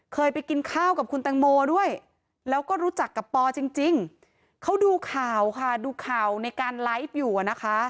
เคยไปกินข้าวกับคุณแตงโมด้วยแล้วก็รู้จักกับปอจริงจริงเขาดูข่าวค่ะดูข่าวในการไลฟ์อยู่อ่ะนะคะ